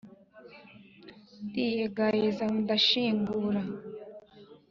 ndiyegayeza ndashingura